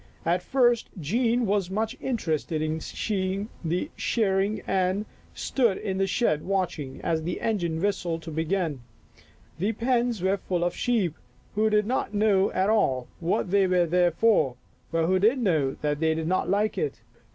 At first Jean was much interested in seeing the shearing and stood in the shed watching, as the engine whistled to begin. The pens were full of sheep who did not at all know what they were there for, but who did know that they did not like it.